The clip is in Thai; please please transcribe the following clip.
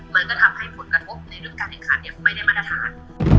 มันก็ทำให้ผลกระทบในรุ่นการติดขาดอย่างไม่ได้มาตรฐาน